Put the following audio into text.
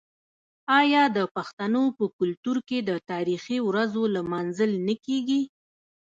آیا د پښتنو په کلتور کې د تاریخي ورځو لمانځل نه کیږي؟